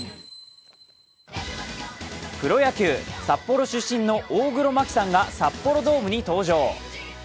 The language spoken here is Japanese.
プロ野球、札幌出身の大黒摩季さんが札幌ドームに登場。